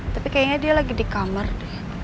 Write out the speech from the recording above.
tapi kayaknya dia lagi di kamar deh